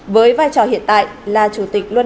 với vai trò hiện tại là chủ tịch luật